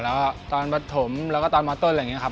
แล้วตอนปฐมแล้วก็ตอนมต้นอะไรอย่างนี้ครับ